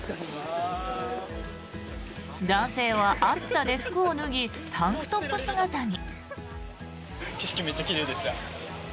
男性は暑さで服を脱ぎタンクトップ姿に。